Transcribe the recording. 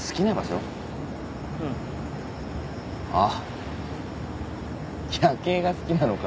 あっ夜景が好きなのか。